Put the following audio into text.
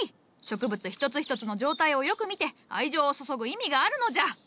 植物一つ一つの状態をよく見て愛情を注ぐ意味があるのじゃ。